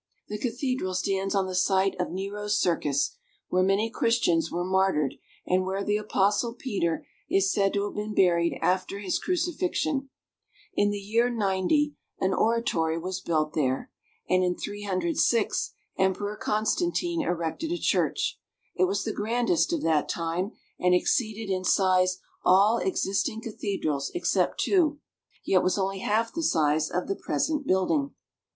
The cathedral stands on the site of Nero's Circus, where many Christians were martyred, and where the Apostle Peter is said to have been buried after his crucifixion. In the year 90 an oratory was built there, and in 306 Emperor Constantine erected a church. It was the grandest of that time, and exceeded in size all existing cathedrals except two, yet was only half the size of the present building.